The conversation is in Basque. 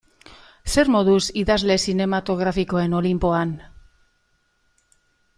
Zer moduz idazle zinematografikoen olinpoan?